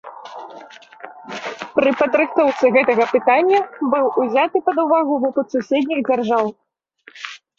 Пры падрыхтоўцы гэтага пытання быў узяты пад увагу вопыт суседніх дзяржаў.